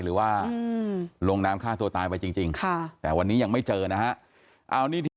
หรือว่าลงน้ำฆ่าตัวตายไปจริงค่ะแต่วันนี้ยังไม่เจอนะฮะ